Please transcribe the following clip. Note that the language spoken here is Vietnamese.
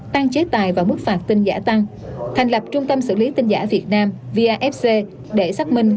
tăng chế tài và mức phạt tin giả tăng thành lập trung tâm xử lý tin giả việt nam vafc để xác minh